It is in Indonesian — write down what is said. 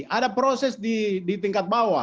ada proses di tingkat bawah